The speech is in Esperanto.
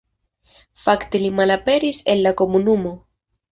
Fakte li malaperis el la komunumo.